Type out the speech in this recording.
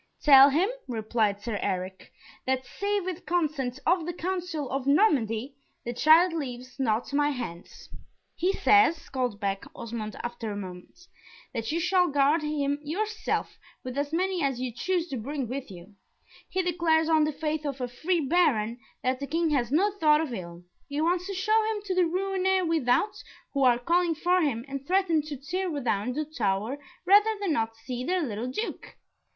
"Tell him," replied Sir Eric, "that save with consent of the council of Normandy, the child leaves not my hands." "He says," called back Osmond, after a moment, "that you shall guard him yourself, with as many as you choose to bring with you. He declares on the faith of a free Baron, that the King has no thought of ill he wants to show him to the Rouennais without, who are calling for him, and threaten to tear down the tower rather than not see their little Duke.